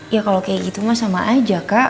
ya kalau kayak gitu mah sama aja kak